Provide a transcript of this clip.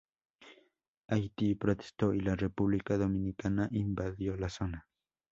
Haití protestó y la República Dominicana invadió la zona.